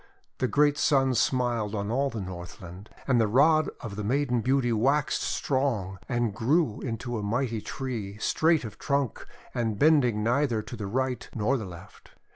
The great Sun smiled on all the Northland. And the rod of the Maiden Beauty waxed strong and grew into a mighty tree, straight of trunk, and bending neither to the right nor the left.